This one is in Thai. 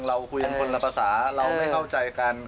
เราคุยกันคนละภาษาเราไม่เข้าใจกัน